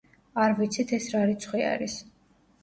არ ვიცით ეს რა რიცხვი არის.